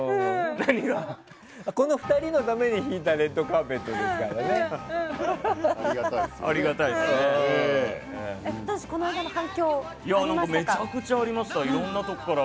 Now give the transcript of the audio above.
この２人のために敷いたレッドカーペットですから。